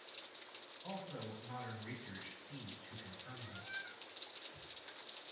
Also modern research seems to confirm this.